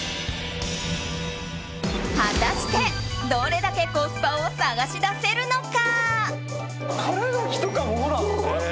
果たして、どれだけコスパを探し出せるのか？